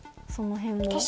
その辺も。